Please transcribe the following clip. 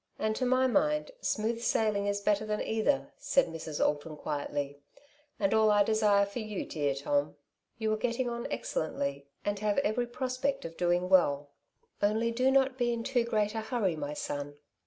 '' And to my mind smooth sailing is better than either," said Mrs. Alton quietly, " and all I desire for you, dear Tom. You are getting on excellently, and have every prospect of doing well, only do not be in too great a hurry, my son."